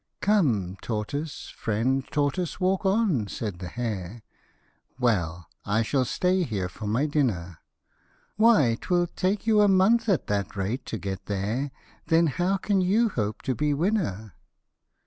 " Come, tortoise, friend tortoise, walk on," said the hare; " Well, I shall stay here for my dinner ; Why, 'twill take you a month at that rate to get there, Then how can you hope to be winner